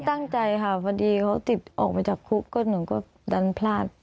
ตั้งใจค่ะพอดีเขาติดออกมาจากคุกก็หนูก็ดันพลาด